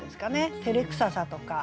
てれくささとか。